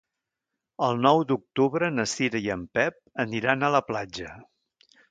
El nou d'octubre na Cira i en Pep aniran a la platja.